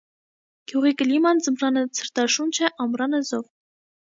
Գյուղի կլիման ձմռանը ցրտաշունչ է, ամռանը՝ զով։